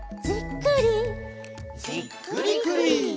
「じっくりくり」